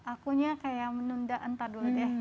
akunya kayak menunda entar dulu deh